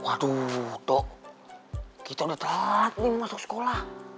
waduh tok kita udah telat nih masuk sekolah